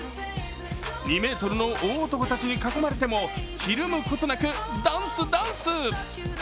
２ｍの大男たちに囲まれてもひるむことなくダンス、ダンス。